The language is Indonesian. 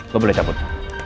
lo boleh cabut